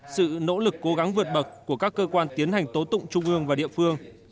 sự nỗ lực cố gắng vượt bậc của các cơ quan tiến hành tố tụng trung ương và địa phương